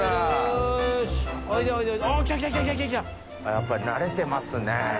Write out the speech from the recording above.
やっぱり慣れてますね。